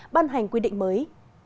ban hành quy định mới